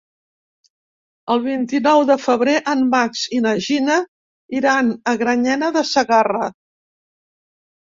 El vint-i-nou de febrer en Max i na Gina iran a Granyena de Segarra.